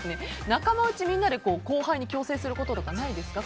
仲間内とかみんなで後輩に強制することとかないですか？